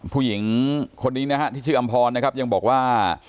ผู้หญิงคนนี้นะฮะที่ชื่ออำพรนะครับยังบอกว่า